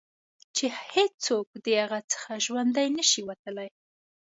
چې هېڅوک د هغه څخه ژوندي نه شي وتلای.